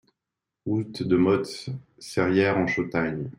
Route de Motz, Serrières-en-Chautagne